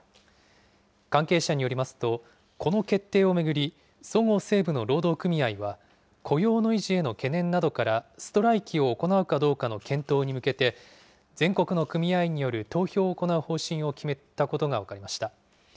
関係者によりますと、この決定を巡り、そごう・西武の労働組合は雇用の維持への懸念などから、ストライキを行うかどうかの検討に向けて、全国の組合員による投票を行う方針を決めたことが分かりました。